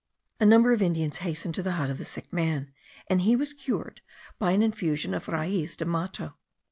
A number of Indians hastened to the hut of the sick man, and he was cured by an infusion of raiz de mato.